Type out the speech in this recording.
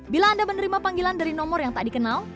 bila anda menerima panggilan dari nomor yang tak dikenal